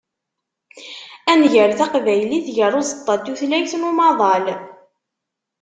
Ad nger taqbaylit gar uẓeṭṭa n tutlayin n umaḍal.